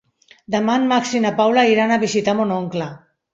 Demà en Max i na Paula iran a visitar mon oncle.